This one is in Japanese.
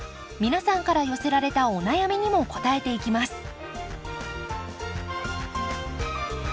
皆さんから寄せられたお悩みにも答えていきます。